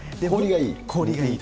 氷がいい？